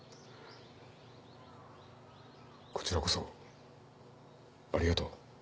こちらこそありがとう。